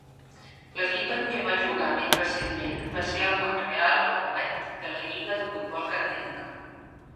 L'equip en què va jugar més recentment va ser el Montreal Alouettes de la Lliga de futbol canadenca.